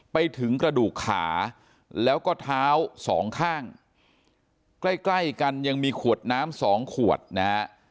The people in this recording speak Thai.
ไปถึงกระดูกขาแล้วก็เท้า๒ข้างใกล้กันยังมีขวดน้ำ๒ขวดนะ